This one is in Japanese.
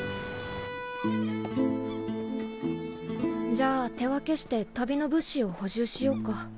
じゃあ手分けして旅の物資を補充しようか。